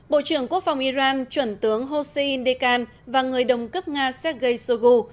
bộ trưởng quốc phòng iran chuẩn tướng hossein deccan và người đồng cấp nga sergei shoigu